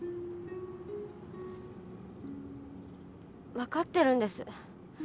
分かってるんです。